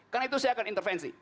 karena itu saya akan intervensi